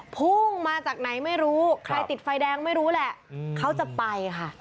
พุ่งมาจากไหนไม่รู้ใครติดไฟแดงไม่รู้แหละเขาจะไปค่ะ